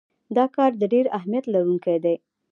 دا کار د ډیر اهمیت لرونکی دی.